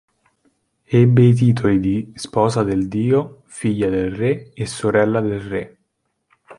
Ebbe i titoli di "Sposa del dio", "Figlia del re" e "Sorella del re".